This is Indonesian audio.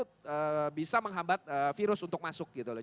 untuk bisa menghambat virus untuk masuk gitu loh